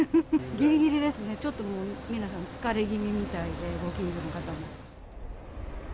ぎりぎりですね、ちょっと皆さん、疲れ気味みたいで、ご近所の方も。